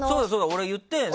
俺、言ったよね。